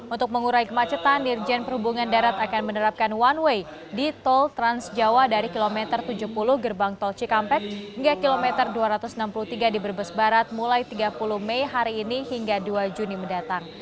untuk mengurai kemacetan dirjen perhubungan darat akan menerapkan one way di tol transjawa dari kilometer tujuh puluh gerbang tol cikampek hingga kilometer dua ratus enam puluh tiga di brebes barat mulai tiga puluh mei hari ini hingga dua juni mendatang